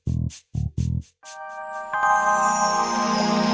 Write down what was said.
tdetek il orange itu dan tiet